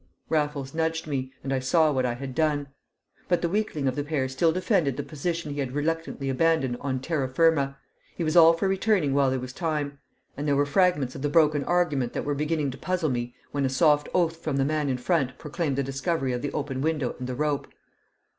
Raffles nudged me, and I saw what I had done. But the weakling of the pair still defended the position he had reluctantly abandoned on terra firma; he was all for returning while there was time; and there were fragments of the broken argument that were beginning to puzzle me when a soft oath from the man in front proclaimed the discovery of the open window and the rope.